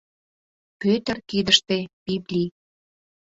Пӧтыр кидыште библий.